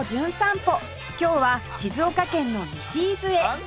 今日は静岡県の西伊豆へ